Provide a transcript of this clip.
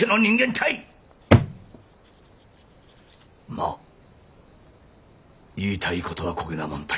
まあ言いたい事はこげなもんたい。